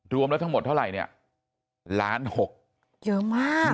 รวมแล้วทั้งหมดเท่าไหร่อยู่จะ๑๖ล้านอย่างม่ะ